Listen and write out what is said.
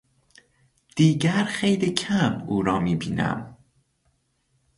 دیگر خیلی کم او را میبینم.